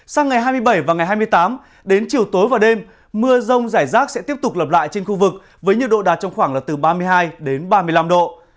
sang ngày hai mươi bảy và ngày hai mươi tám đến chiều tối và đêm mưa rông rải rác sẽ tiếp tục lập lại trên khu vực với nhiệt độ đạt trong khoảng là từ ba mươi hai đến ba mươi năm độ